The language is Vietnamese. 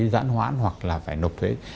giãn hoãn hoặc là phải nộp thuế